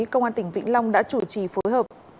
công an tỉnh vĩnh long đã chủ trì phối hợp